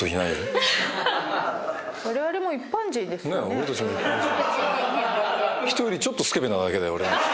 俺たちも一般人。